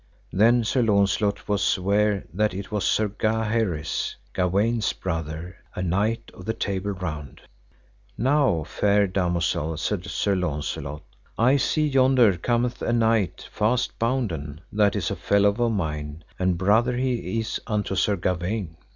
Then Sir Launcelot was ware that it was Sir Gaheris, Gawaine's brother, a knight of the Table Round. Now, fair damosel, said Sir Launcelot, I see yonder cometh a knight fast bounden that is a fellow of mine, and brother he is unto Sir Gawaine.